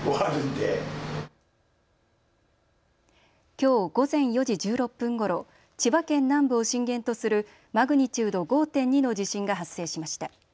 今日午前４時１６分ごろ千葉県南部を震源とするマグニチュード５．２の地震が発生しました。